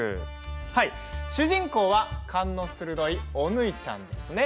主人公は勘の鋭いお縫ちゃんですね。